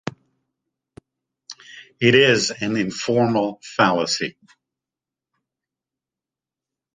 It is an informal fallacy.